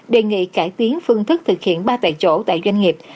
đề nghị cải tiến phương thức thực hiện ba tại chỗ tại doanh nghiệp